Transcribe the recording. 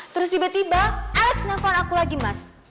terus tiba tiba alex nelfon aku lagi mas